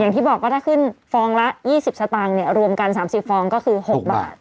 อย่างที่บอกว่าถ้าขึ้นฟองละ๒๐สตางค์เนี่ยรวมกัน๓๐ฟองก็คือ๖บาท